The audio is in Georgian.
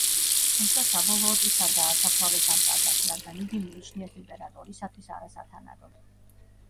თუმცა საბოლოოდ ის არ დაასაფლავეს ამ ტაძარში, რადგან იგი მიიჩნიეს იმპერატორისათვის არასათანადოდ.